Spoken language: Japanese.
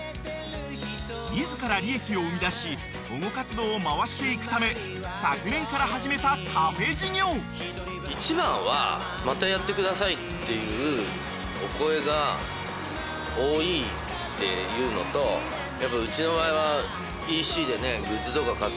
［自ら利益を生み出し保護活動を回していくため昨年から始めたカフェ事業］っていうお声が多いっていうのとやっぱうちの場合は。